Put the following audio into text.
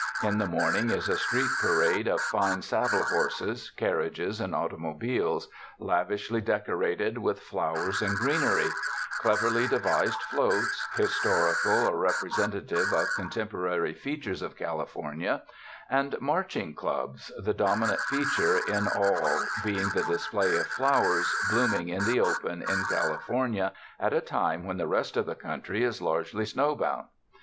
In the morning is a street parade of fine saddle horses, carriages and automobiles, lavishly decorated with flowers and greenery; cleverly devised floats, historical or rep resentative of contemporary features of California; and marching clubs, the dominant feature in all be ing the display of flowers blooming in the open in California at a time when the rest of the country is largely snow bound.